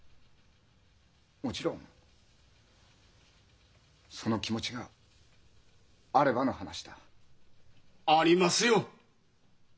もちろんその気持ちがあればの話だ。ありますよ！